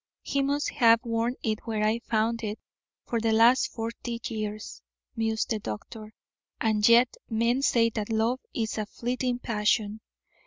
"He must have worn it where I found it for the last forty years," mused the doctor. "And yet men say that love is a fleeting passion.